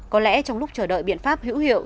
có lẽ trong lúc chờ đợi biện pháp hữu hiệu